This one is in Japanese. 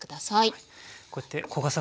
はい。